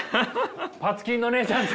パツキンのおねえちゃんと。